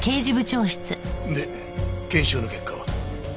で検証の結果は？